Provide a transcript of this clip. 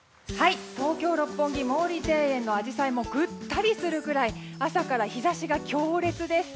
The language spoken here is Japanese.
東京・六本木毛利庭園のアジサイもぐったりするぐらい朝から日差しが強烈です。